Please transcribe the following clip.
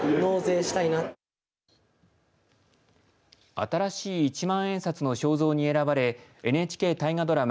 新しい１万円札の肖像に選ばれＮＨＫ大河ドラマ